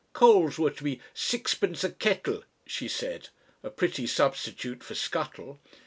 Coals were to be "sixpence a kettle," she said a pretty substitute for scuttle.